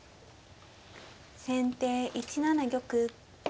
先手１七玉。